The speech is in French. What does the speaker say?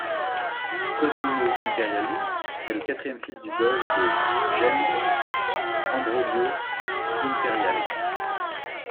Cosimo Imperiali est le quatrième fils du Doge de Gênes Ambrogio Imperiale.